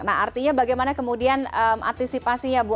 nah artinya bagaimana kemudian antisipasi ya bu